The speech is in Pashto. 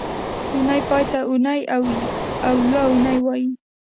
د اونۍ پای ته اونۍ او یونۍ وایي